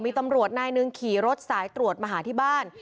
มีตำรวจนายหนึ่งขี่รถสายตรวจมาหาที่บ้าน